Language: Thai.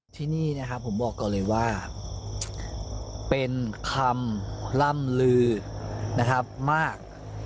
ที่นี่นะครับผมบอกก่อนเลยว่าเป็นคำล่ำลือนะครับมาก